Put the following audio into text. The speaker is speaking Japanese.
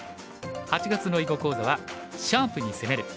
８月の囲碁講座は「シャープに攻める」。